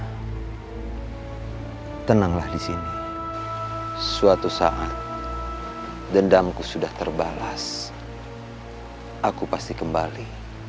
hai tenanglah disini suatu saat dendamku sudah terbalas aku pasti kembali